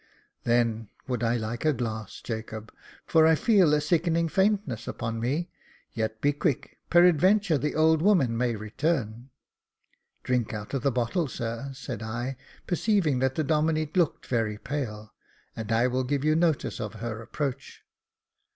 " Then would I like a glass, Jacob, for I feel a sickening faintness upon me ; yet be quick, peradventure the old woman may return." " Drink out of the bottle, sir," said I, perceiving that the Domine looked very pale, " and I will give you notice of her approach."